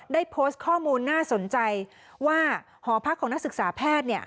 ได้โพสต์ข้อมูลน่าสนใจว่าหอพักของนักศึกษาแพทย์เนี่ย